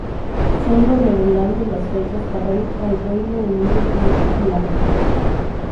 Solo revelando las fechas para el Reino Unido e Irlanda.